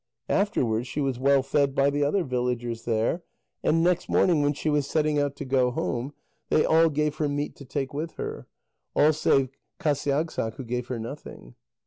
Afterwards she was well fed by the other villagers there, and next morning when she was setting out to go home, they all gave her meat to take with her; all save Qasiagssaq, who gave her nothing.